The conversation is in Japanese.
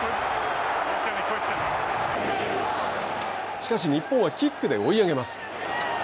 しかし、日本はキックで追い上げます。